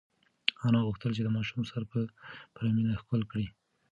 انا غوښتل چې د ماشوم سر په پوره مینه ښکل کړي.